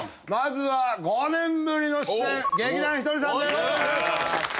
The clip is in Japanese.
まずは５年ぶりの出演。